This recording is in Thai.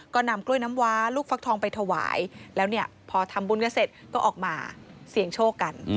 ก็นำกล้วยน้ำว้าลูกฟักทองไปถวายแล้วเนี่ยพอทำบุญกันเสร็จก็ออกมาเสี่ยงโชคกัน